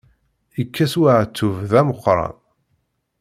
Yekkes uεettub d ameqqran.